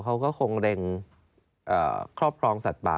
เขาก็คงเร็งครอบครองสัตว์ป่า